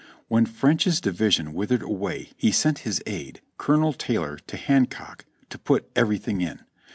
When French's division withered away he sent his aide. Colonel Taylor to Hancock to "put everything in."